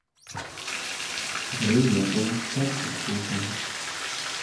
尾野真千子出身。